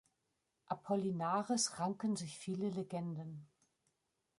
Apollinaris ranken sich viele Legenden.